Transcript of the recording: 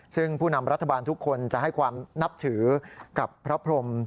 ซึ่งผู้นำรัฐบาลทุกคนจะให้ความนับถือกับพระพรม